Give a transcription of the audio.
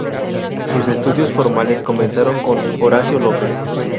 Sus estudios formales comenzaron con Horacio López.